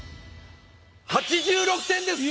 ８６点です！